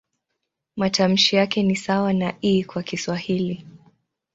Matamshi yake ni sawa na "i" kwa Kiswahili.